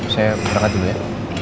saya berangkat dulu ya